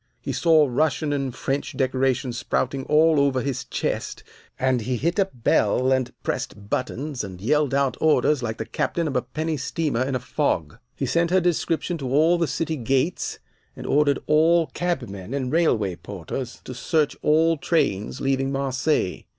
He saw Russian and French decorations sprouting all over his chest, and he hit a bell, and pressed buttons, and yelled out orders like the captain of a penny steamer in a fog. He sent her description to all the city gates, and ordered all cabmen and railway porters to search all trains leaving Marseilles.